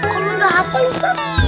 kalau nggak hafal ustaz